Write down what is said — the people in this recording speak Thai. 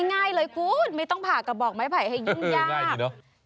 ง่ายเลยคุณไม่ต้องผ่ากระบอกไม้ไผ่ให้ยิ่งยากเนอะ